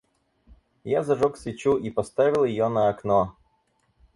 Я зажёг свечу и поставил ее на окно.